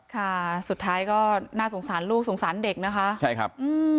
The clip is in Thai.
ค่ะสุดท้ายก็น่าสงสารลูกสงสารเด็กนะคะใช่ครับอืม